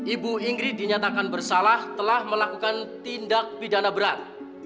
ibu ingri dinyatakan bersalah telah melakukan tindak pidana berat